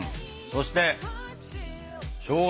そしてしょうが！